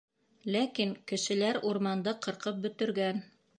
Ләкин кешеләр урманды ҡырҡып бөтөргән.